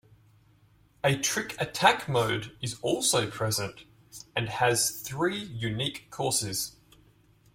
A trick attack mode is also present and has three unique courses.